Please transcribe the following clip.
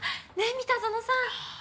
三田園さん。